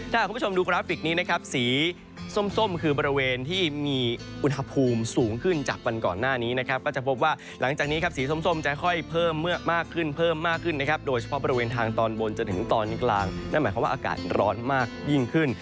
ถ้าคุณผู้ชมดูกราฟิกนี้นะครับสีส้มคือบริเวณที่มีอุณหภูมิสูงขึ้นจากวันก่อนหน้านี้นะครับก็จะพบว่าหลังจากนี้ครับสีส้มจะค่อยเพิ่มมากขึ้นเพิ่มมากขึ้นนะครับโดยเฉพาะบริเวณทางตอนบนจนถึงตอนกลางนั่นหมายความว่าอากาศร้อนมากยิ่งขึ้น